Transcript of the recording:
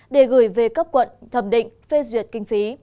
để gửi về cấp quận thẩm định phê duyệt kinh phí